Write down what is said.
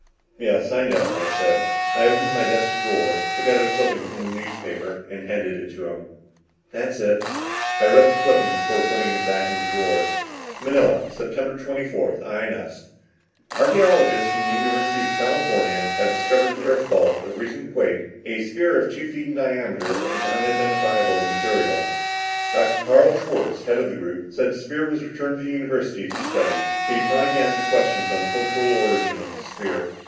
"Yes, I know," I said. I opened my desk drawer, took out a clipping from the newspaper, and handed it to him. "That's it." I read the clipping before putting it back in the drawer. Manila, Sept. 24 (INS) Archeologists from University of California have discovered in earth fault of recent quake a sphere two feet in diameter of an unidentifiable material. Dr. Karl Schwartz, head of the group, said the sphere was returned to the University for study. He declined to answer questions on the cultural origin of the sphere.